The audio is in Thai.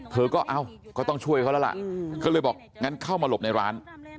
เธอก็เอ้าก็ต้องช่วยเขาแล้วล่ะก็เลยบอกงั้นเข้ามาหลบในร้าน